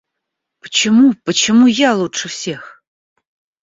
Почему, почему я лучше всех?